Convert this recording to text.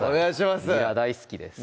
にら大好きです